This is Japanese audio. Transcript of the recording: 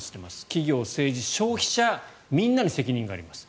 企業、政治、消費者みんなに責任があります